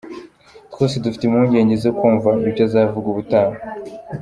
Twese dufite impungenge zo kumva ibyo azavuga ubutaha.